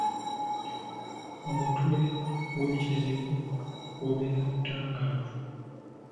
Omutwe gw’ekizibu gubeere mutangaavu.